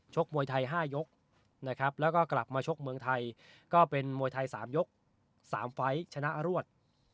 มวยไทย๕ยกนะครับแล้วก็กลับมาชกเมืองไทยก็เป็นมวยไทย๓ยก๓ไฟล์ชนะรวด